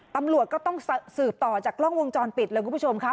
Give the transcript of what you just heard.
ตำรวจก็ต้องสืบต่อจากกล้องวงจรปิดเลยคุณผู้ชมครับ